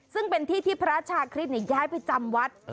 ซึ่งเป็นที่ที่พระอาชาคริสต์เนี่ยย้ายไปจำวัด